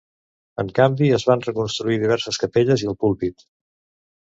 En canvi, es van reconstruir diverses capelles i el púlpit.